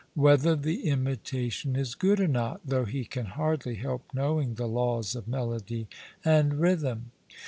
whether the imitation is good or not, though he can hardly help knowing the laws of melody and rhythm.